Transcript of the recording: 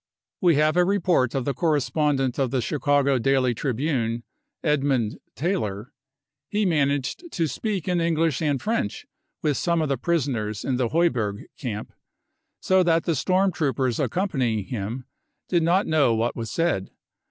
We have a report of the correspondent of the Chicago Daily Tribune , Edmund Taylor. He managed to speak in English and French with some of the prisoners in the Heu berg camp, so that the storm troopers accompanying him did not know what was said.